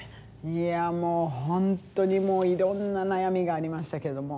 いやもう本当にいろんな悩みがありましたけども。